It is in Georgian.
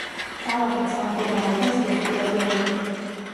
ტალახით სამკურნალო და ზღვისპირა კურორტი.